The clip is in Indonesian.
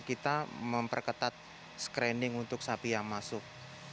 kita memperketat screening untuk sapi yang masuk